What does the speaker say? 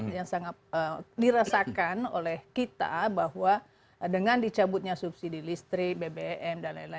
yang sangat dirasakan oleh kita bahwa dengan dicabutnya subsidi listrik bbm dll